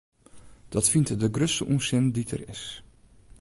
Dat fynt er de grutste ûnsin dy't der is.